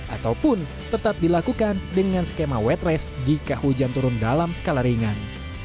ataupun tetap dilakukan dengan skema wet race jika hujan turun dalam skala ringan